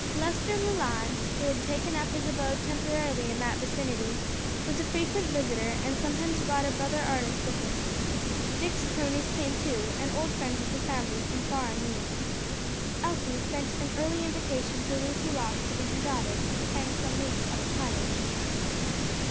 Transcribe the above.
Lester Leland, who had taken up his abode temporarily in that vicinity, was a frequent visitor and sometimes brought a brother artist with him. Dick's cronies came too, and old friends of the family from far and near. Elsie sent an early invitation to Lucy Ross to bring her daughters and spend some weeks at the cottage.